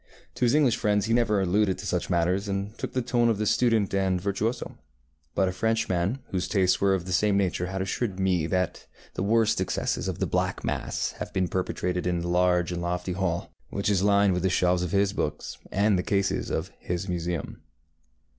To his English friends he never alluded to such matters, and took the tone of the student and virtuoso; but a Frenchman whose tastes were of the same nature has assured me that the worst excesses of the black mass have been perpetrated in that large and lofty hall, which is lined with the shelves of his books, and the cases of his museum.